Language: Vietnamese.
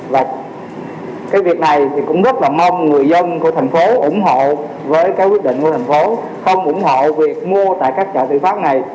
và cái việc này thì cũng rất là mong người dân của thành phố ủng hộ với cái quyết định của thành phố không ủng hộ việc mua tại các chợ tự phát này